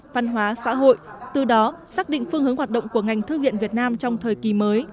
văn hóa xã hội từ đó xác định phương hướng hoạt động của ngành thư viện việt nam trong thời kỳ mới